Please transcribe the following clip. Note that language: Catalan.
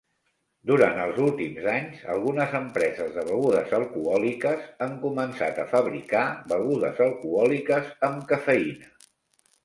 Durant els últims anys, algunes empreses de begudes alcohòliques han començat a fabricar begudes alcohòliques amb cafeïna.